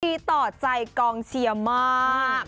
ดีต่อใจกองเชียร์มาก